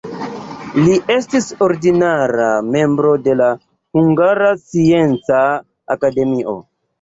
Li estis ordinara membro de Hungara Scienca Akademio.